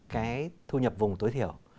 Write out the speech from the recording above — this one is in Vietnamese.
cái thu nhập vùng tối thiểu